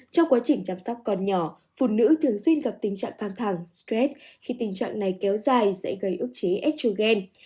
trong quá trình chăm sóc con nhỏ phụ nữ thường xuyên gặp tình trạng căng thẳng stress khi tình trạng này kéo dài sẽ gây ước chế exchugen